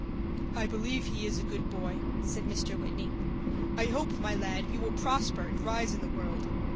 "I believe he is a good boy," said Mr. Whitney. "I hope, my lad, you will prosper and rise in the world.